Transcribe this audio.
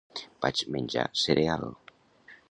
Vaig menjar cereal.